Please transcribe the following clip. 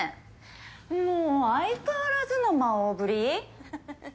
もう相変わらずの魔王ぶり？ははははっ。